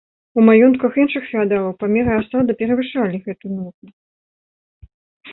У маёнтках іншых феадалаў памеры асада перавышалі гэту норму.